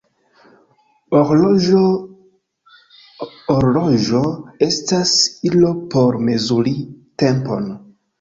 Horloĝo estas ilo por mezuri tempon.